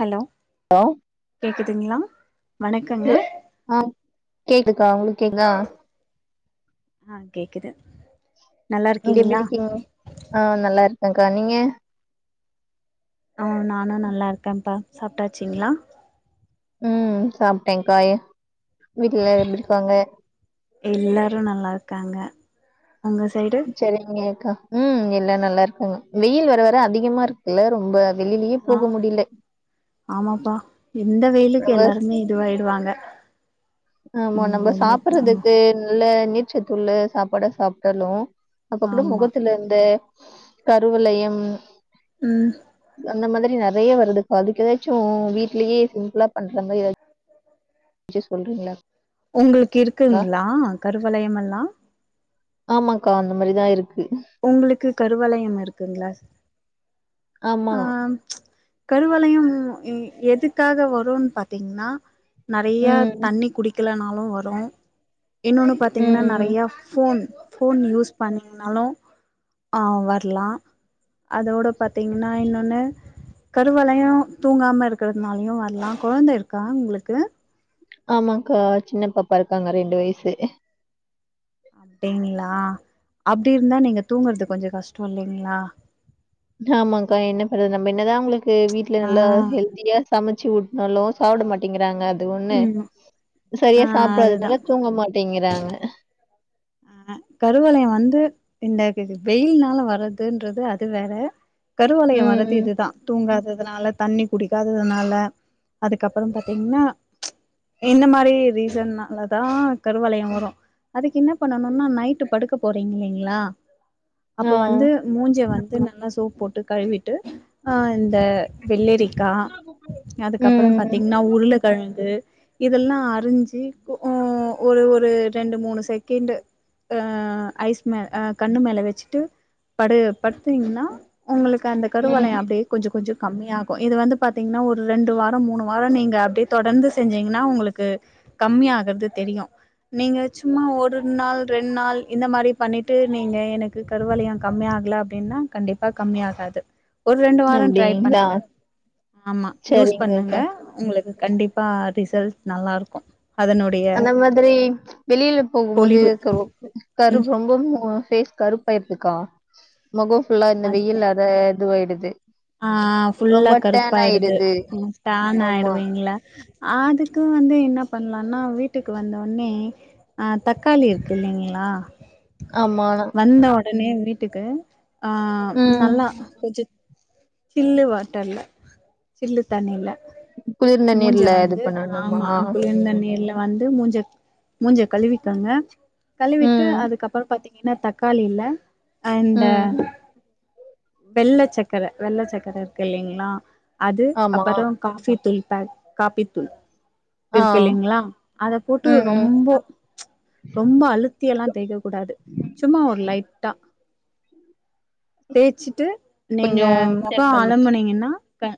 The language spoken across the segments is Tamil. ஹலோ ஹலோ கேக்குதுங்களா வணக்கங்க ஹலோ ஆ கேக்குதா உங்களு கேக்குதா ஆ கேக்குது நல்லா நீங்க இருக்கீங்களா எப்டிருக்கீங்க ஆ நல்லா இருக்கேங்கா நீங்க ஆ நானு நல்லா இருக்கேன்ப்பா சாப்டாச்சிங்களா உம் சாப்ட்டேங்க்காயே வீட்ல எல்லா எப்டி இருக்காங்க எல்லாரு நல்லா இருக்காங்க உங்க சைடு சரிங்கக்கா உம் எல்லா நல்லா இருக்காங்க வெயில் வர வர அதிகமா இருக்குல்ல ரொம்ப வெளிலயே போக ஆம் முடியல ஆமாப்பா இந்த வெயிலுக்கு நம்ம எல்லாருமே இதுவாயிடுவாங்க ஆமா ம் நம்ம ரொம்ப க ஆமா சாப்பறதுக்கு நல்ல நீர்ச்சத்துள்ள சாப்பாட சாப்டாலு அப்ப கூட ஆமா மொகத்துல இந்த கருவளயம் ம் அந்த மாதுரி நெறைய வருதுக்கா அதுக்கு எதாச்சு வீட்லியே சிம்ப்புளா பண்ற மரி எதா சி சொல்றீங்ளா உங்குளுக்கு இருக்குங்ளா கருவளயம் எல்லா ஆமாக்கா அந்த மரிதா இருக்கு உங்குளுக்கு கருவளயம் இருக்குங்ளா ஆமாங்கோ கருவளயம் ம் எதுக்காக வரன் பாத்தீங்ன்னா நறைய ம். தண்ணி குடிக்கிலனாலு வரு இன்னொன்னு பாத்தீங்கன்னா ம். நறைய ஃபோன் ஃபோன் யூஸ் பண்ணிங்னாலு வர்லா அதோட பாத் திங்னா இன்னொன்னு கருவளயோ தூங்காம இருக்குறதுனால்யு வர்லா கொழந்த இருக்கா உங்ளுக்கு ஆமாக்கா சின்னப்பாப்பா இருக்காங்க ரெண்டு வய்சு டிங்ளா அப்டி இருந்தா நீங்க தூங்குற்து கொஞ்ச கஷ்ட்டோ இல்லைங்ளா ஆமாக்கா என்ன பண்றது நம்ப என்னதா அவுங்ளுக்கு வீட்ல ஆ நல்லா ஹெல்தியா சமச்சு உட் டலோ சாப்ட மாட்டேங்கிறாங்க அது ஒன்னு ம் ஆ சரியா அதுதா சாப்டாதுனால தூங்க மாட் டேங்கிறாங்க அ கருவளய வந்து இந்தக் வெயில்னால வர்றதுன்றது அது வேற கருவளய வரது ம். இதுதா தூங்காததுனால தண்ணி குடிக்காததுனால அதுக்கப்புறோ பாத்தீங்னா இந்த மாரி ரீசன்னாலதா கருவளய வரு அதுக் என்ன பண்ணனுனா நைட் படுக்க போறீங் இல்லைங்ளா ஆ. அப்ப வந்து மூஞ்ச வந்து நல்லா சோப் போட்டு கழுவிட்டு அ இந்த வெள்ளரிக்கா அதுக்கப்புற பாத் ம். திங்னா உருளகழங்கு இதல்லா அறிஞ்சு ஒ ஒரு ஒரு ரெண்டு மூணு செட் கிண்டு அ ஐஸ் மே அ கண்ணு மேல வெச்சுட்டு படு படுத்தீங்னா உங்களுக்கு அந்த ம். கருவளய அப்டே கொஞ்ச கொஞ்சோ கம்மியாகு இது வந்து பாத்தீங்னா ஒரு ரெண்டு வார மூணு வார நீங்க அப்டே தொடர்ந்து செஞ்சீங்னா உங்களுக்கு கம்மி ஆகற்து தெரியு நீங்க சும்மா ஒரு உன் நாள் ரெண்டு நாள் இந்த மாரி பண்ணிட்டு நீங்க எனக்கு கருவளயோ கம்மி ஆக்ல அப்டின்னா கண்டிப்பா கம்மி ஆகாது ஒரு ரெண்டு வாரோ ட்ரை அப்டிங்களா? பண்ணுங்க ஆமா யூஸ் பண்ணுங்க சரிங்கக்கா. உங்களுக்கு கண்டிப்பா அ ரிசல்ட்ஸ் நல்லாருக்கு அதனுடைய செரி வெளில போகும்போது பொலிவு [unintelligible] ம் கருவ் ரொம்ப மு ஃபேஸ் கருப் பயிர்க்கா மொகோ ஃபுல்லா இந்த அதுதா வெயில்லாத இதுவாயிடுது ஆ ஃபுல்லா ரொம்ப டேன் கருப்பாயிடுது ஆயிடுது. டேன் ஆமா ஆயிடுவீங்ளா அ அதுக்கு வந்து என்ன பண்லான்னா வீட்டுக்கு வந்த ஒன்னே அ தக்காளி இருக்கு இல்லிங்ளா ஆமா நா ந்த ஒடனே வீட்டுக்கு ஆ ம் நல்லா கொஞ்ச சில்லு வாட்டர்ல சில்லு தண்ணில குளிர்ந்த மூஞ்ச நீர்ல இது வந்து பண்ணணுமா ஆமா குளிர்ந்த நீர்ல வந்து மூஞ்ச மூஞ்ச கழுவிக்கங்க கழுவிட்டு ம் அதுக்கப்புற பாத்தீங் ஏன்னா தக்காளி இல்ல அண்ட ம் வெள்ள சக்கர வெள்ள சக்கர இருக்கு இல்லைங்ளா அது ஆமா அப்பறோ காஃபி தூள் பேக் காப்பி தூள் ஆ இருக்கு இல்லைங்ளா அத போட்டு ம் ம் ரொம்போ ரொம்ப அழுத்தி எல்லா தேக்க கூடாது சும்மா ஒரு லைட்டா தேச்சிட்டு நீங்க கொஞ்சோ மொகோ ம் அலம்பனிங்கன்னா க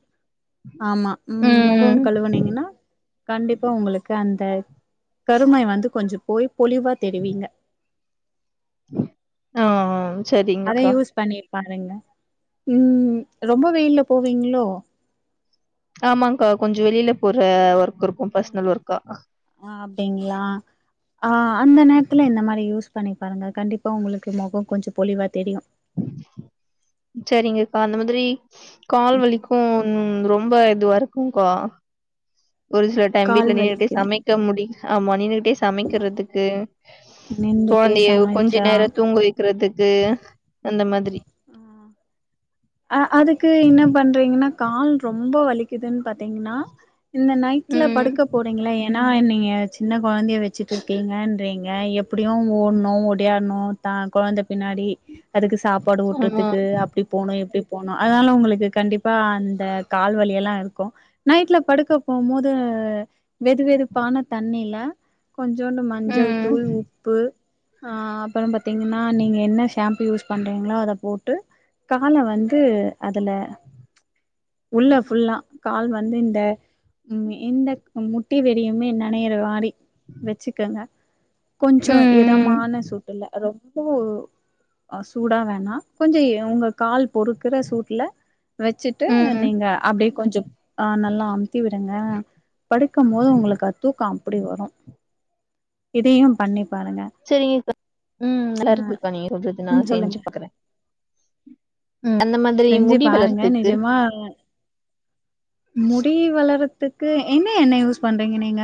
ஆமா ம் மொகோ கழுவுனீங்கன்னா கண்டிப்பா உங்களுக்கு அந்த கருமை வந்து கொஞ்ச போய் பொலிவா தெரிவீங்க ஆ ஆ அத யூஸ் பண்ணி பாருங்க ம் ரொம்ப வெயில்ல போவீங்ளோ ஆமாங்கா கொஞ்ச வெளில போற ஒர்க் இருக்கு பர்சனல் ஒர்க்கா ஆ அப்டிங்ளா ஆ அந்த நேரத்துல இந்த மாரி யூஸ் பண்ணி பாருங்க கண்டிப்பா உங்களுக்கு மொகோ கொஞ்சோ பொலிவா தெரியு சரிங்கக்கா அந்த மாதிரி கால் வலிக்கு ரொம்ப இதுவா இருக்குங்கா ஒரு சில டைம் கால் வீட்ல நின்னுட்டே வலிக்குது சமைக்க முடிய ஆமா நின்னுகிட்டே சமைக்கறதுக்கு நின்டுட்டே கொழந்தைய கொஞ்ச சமைச்சா நேரோ தூங்க வைக்கிறதுக்கு அந்த மாதிரி ஆ ஆ அதுக்கு என்ன பண்றீங்கன்னா கால் ரொம்ப வலிக்குதுன் பாத் தீங்னா இந்த நைட்ல ம் படுக்க போறீங்கள எ ஏன்னா நீங்க சின்ன கொழந்தைய வச்சிட்ருக்கீங்கன்றீங்க எப்படியு ஓட்ணு ஓடியார்ணு டா கொழந்த பின்னாடி அதுக்கு சாப்பாடு ஆமா ஊட்டுதுக்கு அப்டி போனு அப்டி போனோ அதனால உங்களுக்கு கண்டிப்பா அந்த கால்விலி எல்லா இருக்கு நைட்ல படுக்க போம் போது வெது வெதுப்பான தண்ணில கொஞ்சோண்டு மஞ்சள் ம் தூள் உப் பு ஆ அப்புறோ பாத்தீங்கன்னா நீங்க என்ன ஷாம்பு யூஸ் பண்றீங்களோ அத போட்டு கால வந்து அதுல உள்ள ஃபுல்லா கால் வந்து இந்த ம் இந்த முட்டி வெறியுமே நனையிற வாரி வச்சிக்கங்க கொஞ்சோ ம் ம் இதமான சூட்டுல ரொம் போ ஆ சூடா வேணா கொஞ்ச உங்க கால் பொறுக்குற சூட்ல வச்சுட்டு ம் நீங்க அப்டியே கொஞ்சோ ஆ நல்லா அமுத்தி விடுங்க படுக்குபோது உங்களுக்கு அ தூக்கோ அப்டி வரு இதையு பண்ணி பாருங்க சரிங்கக்கா ம் நல்லா இருக்குக்கா நீங்க சொல்றது நா ம் சொல்லுங்க செஞ்சு பாக்குற ம் அந்த மாதி செஞ்சு பாருங்க நிஜமா முடி வளரதுக்கு என்ன எண்ணெய் யூஸ் பண்றீங்க நீங்க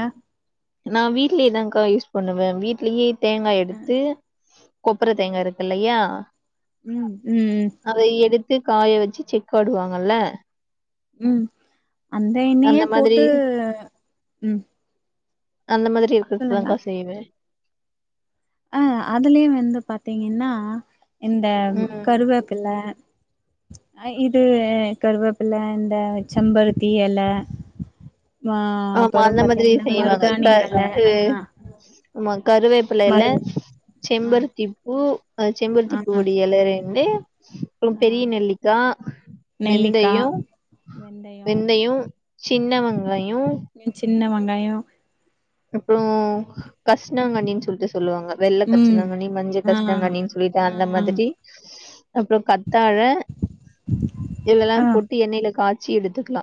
நான் வீட்லயே தாங்க்கா யூஸ் பண்ணுவ வீட்லயே தேங்கா எடுத்து கொப்புர தேங்கா இருக்கு இல்லையா ம் ம் ம் அத எடுத்து காய வச்சு செக் ஆடுவாங்கல்ல ம் அந்த எண்ணெய அந்த மாதிரி போட்டு ம் அந்த மாதிரி சொல்லுங்க இருக்கிறதுதாங்க்கா செய்வ அ அதுலயு வந்து பாத்தீங்கன்னா இந்த ம் கருவேப்பில்ல அ இது கருவேப்பில்ல இந்த இந்த செம்பருத்தி எல ஆ ஆமா அப்புறோ அந்த மாதிரி பாத்தீங்கன்னா மருதாணி எல ஆ நா கருவேப்பில இல்ல மரு ஆ செம்பருத்தி பூ அ செம்பருத்தி ஆ பூ டி இல ரெண்டு அப்புறம் ஆ பெரிய நெல்லிக்கா நெல்லிக்கா வெந்தையோ வெந்தயோ வெந்தையோ சின்ன வெங்காயோ சின்ன வெங்காயோ அப்றோ கஷ்னாங்கனின் சொல்ட்டு சொல்லுவாங்க வெள்ள ம் கரிசிலாங்கன்னி மஞ்ச ஆ கஷ்னாங்கனின் சொல்லிட் அந்த ஆ மாதிரி அப்புறம் கத்தாழ இதெல்லா ஆ போட் டு எண்ணெல காச்சி எடுத்துக்கலா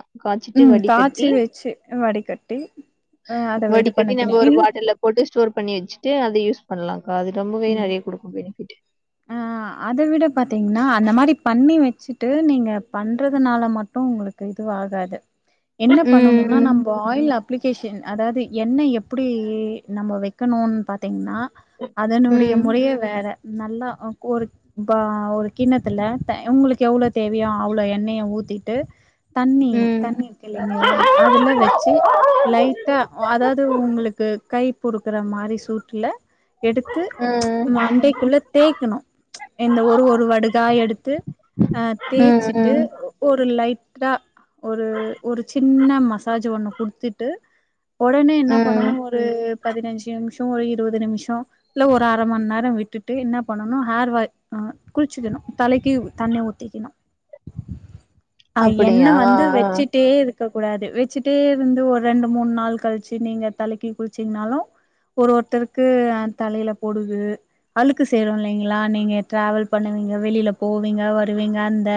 ம் காய்ச்சு வச்சு வடிகட்டி அ அத இது வடிக்கட்டி பண்ணிக்கணு நம்ம ஒரு இன் பாட்டல்ல போட்டு ஸ்டோர் பண்ணி வெச்சுட்டு அத யூஸ் பண்ணலாங்கா அது ரொம்பவே நெறைய குடுக்கு பெனிஃபிட் அ அத விட பாத்தீங்ன்னா அந்த மாரி பண்ணி வெச்சுட்டு நீங்க பண்றதுனால மட்டு உங்களுக் எதுவு ஆகாது என்ன பண்ணணுன்னா ம் நம் இப்ப ஆயில்ல அப்ளிகேஷன் அதாவது எண்ணெய் எப்படி நம்ம வெக்கணுன் பாத்தீங்கன்னா அதனுடைய ம் முறையே வேற நல்லா ஒரு இப்ப ஒரு கிண்ணத்துல உங்களுக்கு எவ்ளோ தேவையோ அவ்ளோ எண்ணெய ஊத்திட்டு தண்ணி ம் தண்ணி இருக்கு இல்லலைங்களா அதுல்ல வெச்சு லைட்டா அதாவது உங்களுக்கு கை கொடுக்குற மாரி சூட்டில எடுத்து ம் மண்டைக்குள்ளே தேய்க்கணு இந்த ஒரு ஒரு வடுகா எடுத்து அ ம் தேய்ச்சிட்டு ம் ஒரு லைட்டா ஒரு ஒரு சின்ன மசாஜ் ஒன்னு குடுத்துட்டு ஒடனே என்ன ம் பண்ணனு ஒரு பதினஞ்சு ம்ஷோ ஒரு இருவது நிமிஷோ இல்ல ஒரு அர மண் நேரோ விட்டுட்டு என்ன பண்ணனும் ஹேர் வா அ குள்ச்சுக்கணு தலைக்கு தண்ணி ஊத்திக்கணு அ எண்ண அப்படியா வந்து வெச்சுட்டே இருக் க கூடாது வெச்சுட்டே இருந்து ஒரு ரெண்டு மூண் நாள் கழ்ச்சு நீங்க தலைக்கி குள்ச்சீங்கன்னாலு ஒரு ஒருத்தருக்கு அந்தலையில பொடுகு அழுக்கு செறோலிங் ங்கிலா நீங்க டிராவல் பண்ணுவீங்க வெளியில போவீங்க வருவீங்க அந்த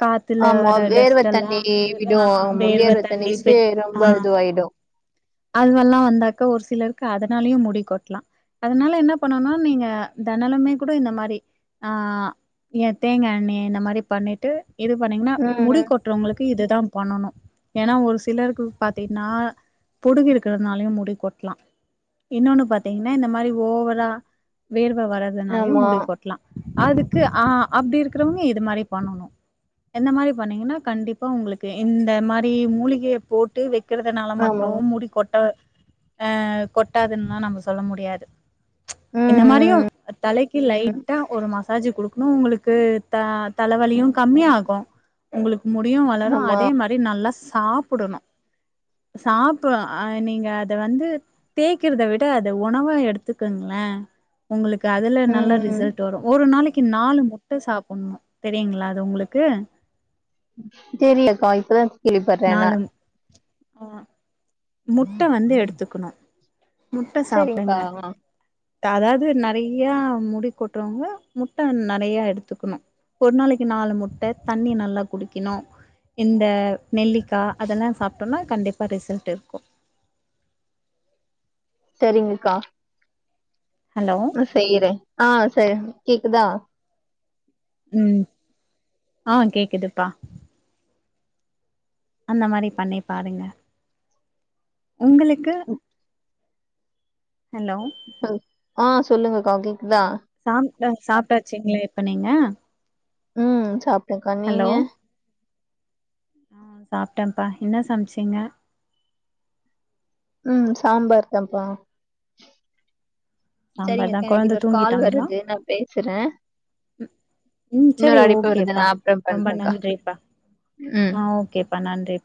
காத்துல ஆமா வர வேர்வ டஸ்ட் எல்லா தண்ணி வந்து விடு ஆ ஆமா வேர்வ தண்ணி விட்டு சுவேட் ரொம்ப ஆ இதுவாயிடு அதுவெல்லா வந்தாக்க ஒரு சிலருக்கு அதனாலயு முடி கொட்லா அதனால என்ன பண்ணோன்னா நீங்க தனலமே கூட இந்த மாரி ஆ எ தேங்கா எண்ணி இந்த மாரி பண்ணிட்டு இது பண்ணீங்கன்னா முடி ம் கொட்டுறவங்களுக்கு இதுதா பண்ணணு ஏன்னா ஒரு சிலருக்கு பாத்தீங்னா பொடுகு இருக்கிறனாலையு முடி கொட்லா இன்னொன்னு பாத்தீங்கன்னா இந்த மாரி ஓவரா வேர்வ வர்றதுனாலயு ஆமா முடிக்கொட்லா அதுக்கு அ அப்டி இருக்கிறவங்க இது மாரியு பண்ணணு எந்த மாரி பண்ணீங்கன்னா கண்டிப்பா உங்களுக்கு இந்த மாரி மூலிகய போட்டு வெ க்கிறதுனால ஆமா மட்டு முடி கொட்ட ஆ கொட்டாதுன்ல்லா நம்ம சொல்ல முடியாது என்ன ம் மாரியு ம் தலைக்கு லைட்ட ஒரு மசாஜ் குடுக்கணு உங்களுக்கு த தலவலியு கம்மியாகு உங்களுக் முடியு வளரு ஆமா அதே மா ரி நல்லா சாப்புடணு சாப்பற நீங்க அத வந்து தேய்கறத விட அத உணவா எடுத்துக்குங்களே உங்களுக்கு அதுல நல்ல ம் ரிசல்ட் வரு ஒரு நாளைக் க்கி நாலு முட்ட சாப்புண்ணு தெரியுங்களா அது உங்களுக்கு தெரியலக்கா இப்பத நாலு முட்ட வந்து எடுத்துக்கணு முட்ட சரிங்க்கா சாப்டுங்க அதாவது நறைய முடி கொட்டுறவங்க முட்ட நறைய எடுத்துக்கணு ஒரு நாளைக்கு நாலு முட்ட தண்ணி நல்லா குடிக்கணு இந்த நெல்லிக்கா அதெல்லா சாப்ட்டோம்னா கண்டிப்பா ரிசல்ட் இருக் ஓ தரிங்கக்கா ஹலோ செய்யற ஆ சார் கேக்குதா ம் ஆ கேக்குதுப்பா அந்த மாரி பண்ணி பாருங்க உங்களுக்கு ஹலோ ஆ சொல்லுங்கக்கா கேக்குதா சாப்ட சாப்ட்டாச்சீங்களா இப்ப நீங்க ம் சாப்ட்டக்கா நீங்க ஹலோ ஆ சாப்ட்டப்பா என்ன சமச்சிங்க ம் சாம்பார் தாப்பா சாம்பார் தா சரிங்கக்கா எனக்கு கொழந்த இன்னொரு கால் தூங்கிட்டாங்களா வருது நா பேசுற ம் சரி வருது நா ஓகேப்பா அப்றம் ரொம்ப பண்றேக்கா நன்றிப்பா ம் ஆ ஓகேப்பா நன்றி